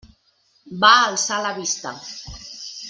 Va alçar la vista.